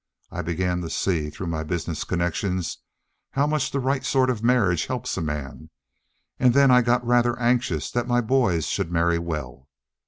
I began to see through my business connections how much the right sort of a marriage helps a man, and then I got rather anxious that my boys should marry well.